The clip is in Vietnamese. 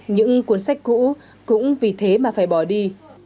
những cuốn sách cũ cũng vì thế mà phải bỏ đi